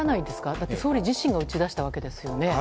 だって総理自身が打ち出したわけですよね。